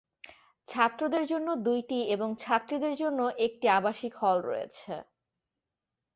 ছাত্রদের জন্য দুইটি এবং ছাত্রীদের জন্য একটি আবাসিক হল রয়েছে।